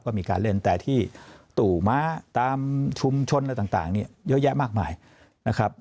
ก็มีการเล่นแต่ที่ตู่ม้าตามชุมชนอะไรต่างเนี่ยเยอะแยะมากมายนะครับ